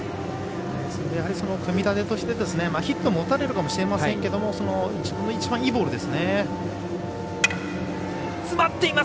組み立てとしてヒットも打たれるかもしれませんけど一番いいボールですね。